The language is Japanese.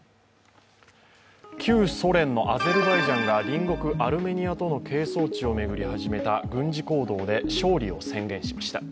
旧ソ連のアゼルバイジャンが隣国アルメニアとの係争地を巡り始めた軍事行動で勝利を宣言しました。